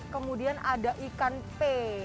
kemudian ada ikan pe